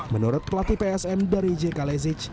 menurut pelatih psm dari j k lezic